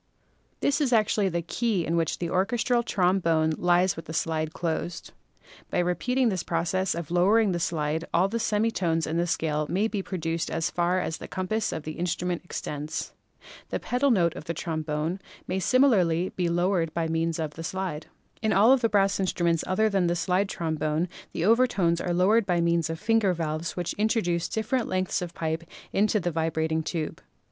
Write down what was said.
This is actually the key in which the orches tral trombone lies with slide closed. By repeating this process of lowering the slide all the semi tones in the scale may be produced as far as the compass of the instrument extends. The pedal note of the trombone may similarly be lowered by means of the slide. In all the brass instruments other than the slide trom bone the overtones are lowered by means of finger valves which introduce different lengths of pipe into the vibrat ing tube.